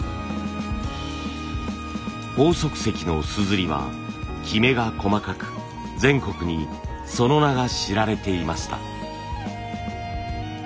鳳足石の硯はきめが細かく全国にその名が知られていました。